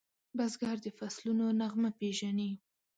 بزګر د فصلونو نغمه پیژني